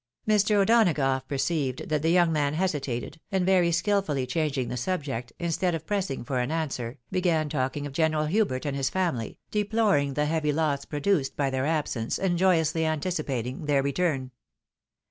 Mr. O'Donagough perceived that the young man hesitated, and very skilfully changing the subject, instead of pressing for an answer, began talking of General Hubert and his family, deploring the heavy loss produced by their absence, and joyously anticipating their return.